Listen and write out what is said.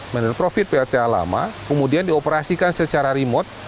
menertrofit plta lama kemudian dioperasikan secara remote